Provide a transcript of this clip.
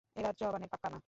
এরা জবানের পাক্কা না।